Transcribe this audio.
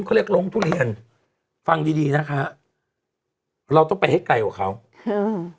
เขาเรียกร้องทุเรียนฟังดีดีนะคะเราต้องไปให้ไกลกว่าเขาอืม